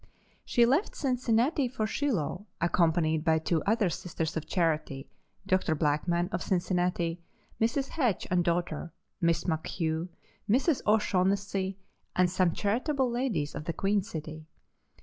She left Cincinnati for Shiloh, accompanied by two other Sisters of Charity, Dr. Blackman, of Cincinnati; Mrs. Hatch and daughter, Miss McHugh, Mrs. O'Shaughnessy and some charitable ladies of the Queen City.